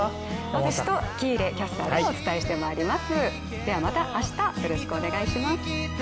私と喜入キャスターがお伝えしてまいります。